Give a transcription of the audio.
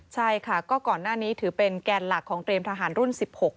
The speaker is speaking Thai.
ใช่ค่ะก็ก่อนหน้านี้ถือเป็นแกนหลักของเตรียมทหารรุ่น๑๖